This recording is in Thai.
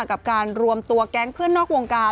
กับการรวมตัวแก๊งเพื่อนนอกวงการ